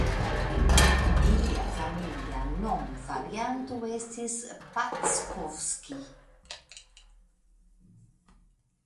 Lia familia nomvarianto estis "Pacskovszki".